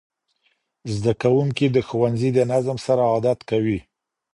زدهکوونکي د ښوونځي د نظم سره عادت کوي.